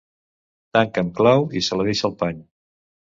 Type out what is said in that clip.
Tanca amb clau... i se la deixa al pany.